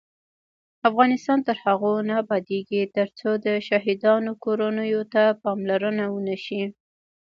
افغانستان تر هغو نه ابادیږي، ترڅو د شهیدانو کورنیو ته پاملرنه ونشي.